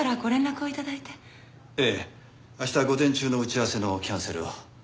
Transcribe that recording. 明日午前中の打ち合わせのキャンセルを。